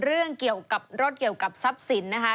เรื่องเกี่ยวกับรถเกี่ยวกับทรัพย์สินนะคะ